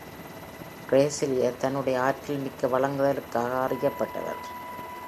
Bracciali தன்னுடைய ஆற்றல் மிக்க வழங்கலுக்காக அறியப்பட்டவர்.